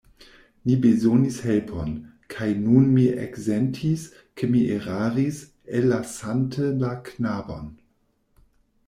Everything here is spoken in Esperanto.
Ni bezonis helpon, kaj nun mi eksentis, ke mi eraris, ellasante la knabon.